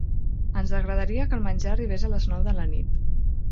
Ens agradaria que el menjar arribés a les nou de la nit.